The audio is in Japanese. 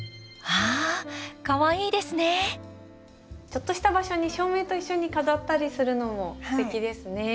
ちょっとした場所に照明と一緒に飾ったりするのもすてきですね。